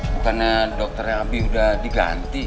bukannya dokter abi udah diganti